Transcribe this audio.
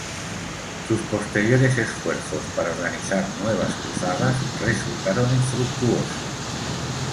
Sus posteriores esfuerzos para organizar nuevas cruzadas resultaron infructuosos.